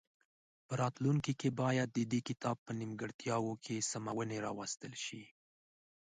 په راتلونکي کې باید د دې کتاب په نیمګړتیاوو کې سمونې راوستل شي.